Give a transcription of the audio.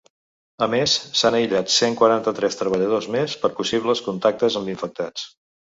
A més, s’han aïllat cent quaranta-tres treballadors més per possibles contactes amb infectats.